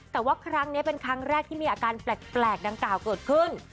แต่ว่าครั้งนี้เป็นครั้งแรกที่มีอาการแปลกดังกล่าวเกิดขึ้น